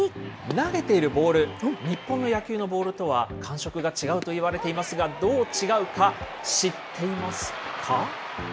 投げているボール、日本の野球のボールとは感触が違うといわれていますが、どう違うか、知っていますか？